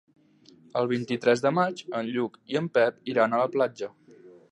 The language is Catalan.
El vint-i-tres de maig en Lluc i en Pep iran a la platja.